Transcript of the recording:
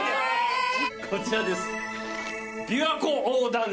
こちらです。